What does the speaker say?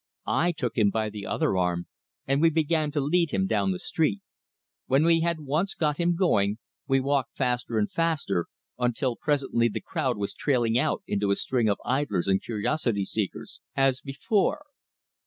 I took him by the other arm, and we began to lead him down the street. When we had once got him going, we walked him faster and faster, until presently the crowd was trailing out into a string of idlers and curiosity seekers, as before.